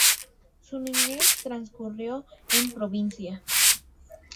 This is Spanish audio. Su niñez transcurrió en provincia.